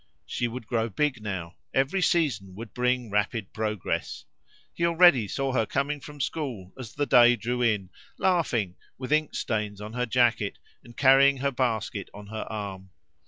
She would grow big now; every season would bring rapid progress. He already saw her coming from school as the day drew in, laughing, with ink stains on her jacket, and carrying her basket on her arm.